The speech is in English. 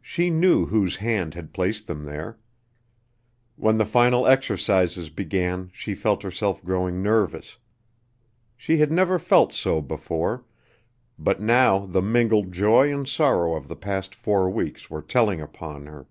She knew whose hand had placed them there. When the final exercises began she felt herself growing nervous. She had never felt so before, but now the mingled joy and sorrow of the past four weeks were telling upon her.